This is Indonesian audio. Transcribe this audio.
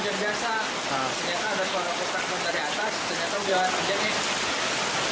ternyata sudah menjengik